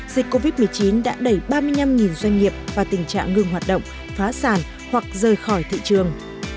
dịch covid một mươi chín đã đẩy ba mươi năm doanh nghiệp vào tình trạng ngừng hoạt động phá sản hoặc rời khỏi thị trường